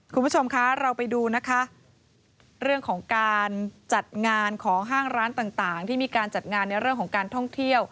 คุณผู้ชมคะเราไปดูนะคะเรื่องของการจัดงานของห้างร้านต่างที่มีการจัดงานในเรื่องของการท่องเที่ยว